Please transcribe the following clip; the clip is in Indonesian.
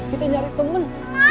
kita nyari temen